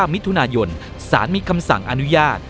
มิถุนายนสารมีคำสั่งอนุญาต